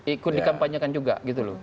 ikut dikampanyekan juga gitu loh